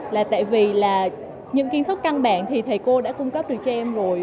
là tại vì là những kiến thức căn bản thì thầy cô đã cung cấp được cho em rồi